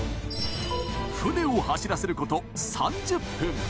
船を走らせること３０分。